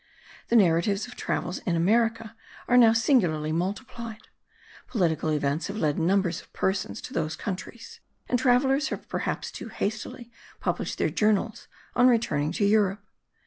The narratives of travels in America are now singularly multiplied. Political events have led numbers of persons to those countries: and travellers have perhaps too hastily published their journals on returning to Europe.